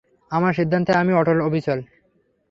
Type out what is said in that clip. আমার সিদ্ধান্তে আমি অটল অবিচল।